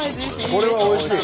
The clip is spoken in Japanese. これはおいしい！